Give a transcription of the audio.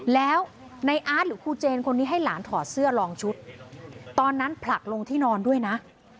แล้วในอาร์ตหรือครูเจนคนนี้ให้หลานถอดเสื้อลองชุดตอนนั้นผลักลงที่นอนด้วยนะ